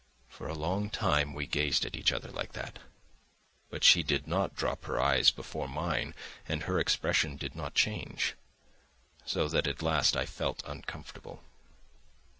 For a long time we gazed at each other like that, but she did not drop her eyes before mine and her expression did not change, so that at last I felt uncomfortable.